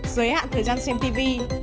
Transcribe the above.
giới hạn thời gian xem tv